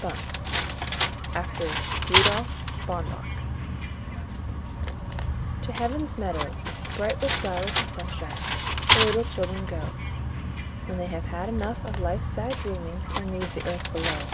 BUNCE (after RUDOLF BAUNBACH) To Heaven's Meadows, bright with flowers and sunshine, The little children go, When they have had enough of life's sad dreaming, And leave the earth below.